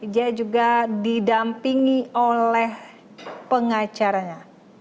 dia juga didampingi oleh pengacaranya